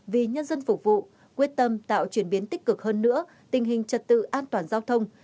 vì nhân dân phục vụ quyết tâm tạo chuyển biến tích cực hơn nữa tình hình trật tự an toàn giao thông